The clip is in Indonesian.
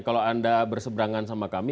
kalau anda berseberangan sama kami